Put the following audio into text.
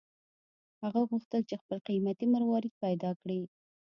هغه غوښتل چې خپل قیمتي مروارید پیدا کړي.